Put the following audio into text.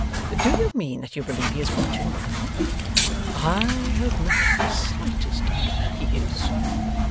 'Do you mean that you believe he is watching now?' 'I have not the slightest doubt he is.